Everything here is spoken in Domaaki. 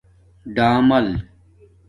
ڈآمل